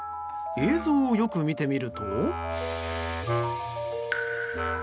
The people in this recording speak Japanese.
映像をよく見てみると。